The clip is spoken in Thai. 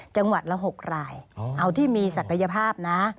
จังหวัดละ๖รายเอาที่มีศักยภาพนะ